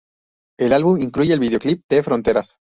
El álbum incluye el videoclip de "Fronteras".